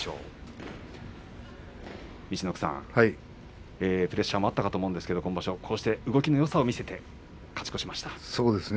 陸奥さん、プレッシャーもあったかと思うんですが動きのよさを見せましたね